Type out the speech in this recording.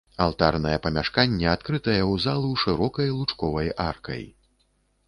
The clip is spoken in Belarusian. Алтарнае памяшканне адкрытае ў залу шырокай лучковай аркай.